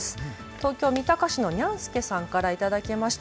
東京三鷹市のにゃん助さんから頂きました。